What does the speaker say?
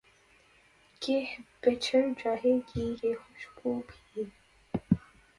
کہ بچھڑ جائے گی یہ خوش بو بھی